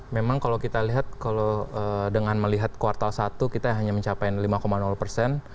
memang kalau kita lihat kalau dengan melihat kuartal satu kita hanya mencapai lima persen